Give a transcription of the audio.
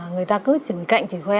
người ta cứ chửi cạnh chửi khóe